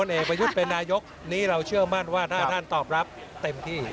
เอกประยุทธ์เป็นนายกนี้เราเชื่อมั่นว่าถ้าท่านตอบรับเต็มที่